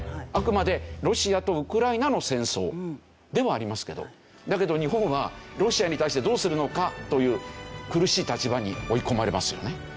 あくまでロシアとウクライナの戦争ではありますけどだけど日本はロシアに対してどうするのかという苦しい立場に追い込まれますよね。